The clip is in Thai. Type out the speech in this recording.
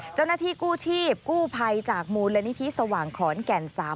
เจ้าหน้าที่กู้ชีพกู้ภัยจากมูลนิธิสว่างขอนแก่น